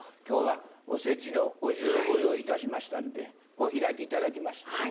今日はおせちのお重をご用意いたしましたんでお開き頂きまして。